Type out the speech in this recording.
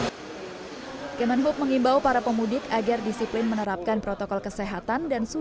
hai kemenhub mengimbau para pemudik agar disiplin menerapkan protokol kesehatan dan